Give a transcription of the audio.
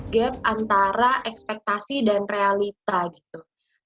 gap antara ekspektasi dan realita gitu